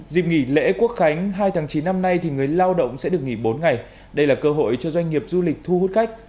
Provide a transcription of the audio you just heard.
dịp nghỉ lễ quốc khánh hai tháng chín năm nay người lao động sẽ được nghỉ bốn ngày đây là cơ hội cho doanh nghiệp du lịch thu hút khách